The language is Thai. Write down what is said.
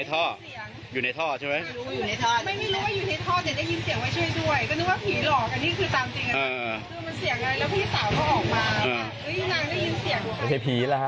ไม่ใช่ผีแหละฮะคนนี่แหละ